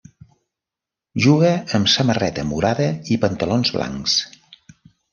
Juga amb samarreta morada i pantalons blancs.